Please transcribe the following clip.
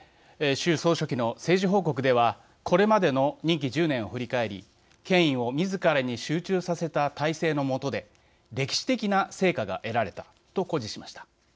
習総書記の政治報告ではこれまでの任期１０年を振り返り権威をみずからに集中させた体制の下で歴史的な成果が得られたと誇示しました。